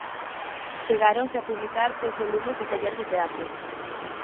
Chegáronse a publicar tres volumes do "Taller de teatro".